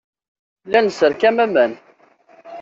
La nesserkam aman.